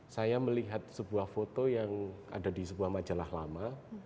saya melihat sebuah foto yang ada di sebuah majalah lama